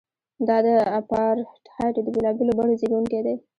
دا د اپارټایډ د بېلابېلو بڼو زیږوونکی دی.